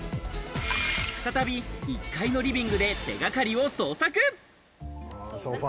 再び１階のリビングで手掛かりを捜索。